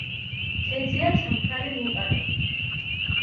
ქედზეა ჩამქრალი ვულკანები.